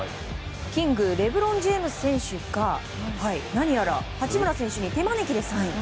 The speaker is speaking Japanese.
キングレブロン・ジェームズ選手が何やら八村選手に手招きでサイン。